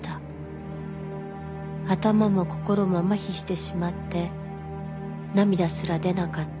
頭も心もまひしてしまって涙すら出なかった。